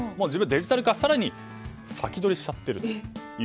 デジタル化を先取りしちゃってると。